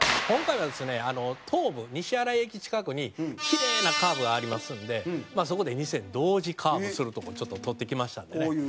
今回はですね東武西新井駅近くにきれいなカーブがありますんでそこで２線同時カーブするとこちょっと撮ってきましたんでね。